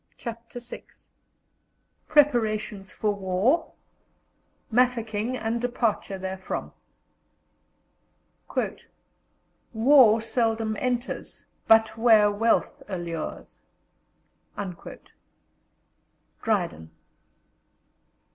CHAPTER VI PREPARATIONS FOR WAR MAFEKING, AND DEPARTURE THEREFROM "War seldom enters, but where wealth allures." DRYDEN.